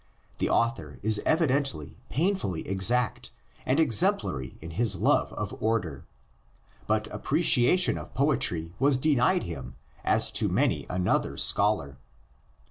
The author is evidently painfully exact and exemplary in his love of order, but appreciation of poetry was denied him as to many another scholar.